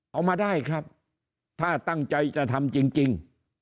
เอามาได้ครับถ้าตั้งใจจะทำจริง